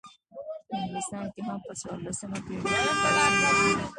په انګلستان کې هم په څوارلسمه پیړۍ کې پاڅون وشو.